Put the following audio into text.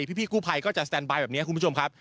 พี่กู้ภัยก็จะสแตนบายแบบนี้คุณผู้ชมครับ